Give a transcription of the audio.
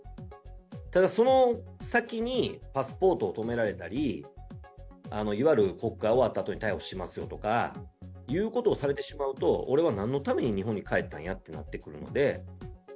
ただ、その先に、パスポートを止められたり、いわゆる国会終わったあとに逮捕しますよとかいうことをされてしまうと、俺はなんのために日本に帰ったんやとなってくるので。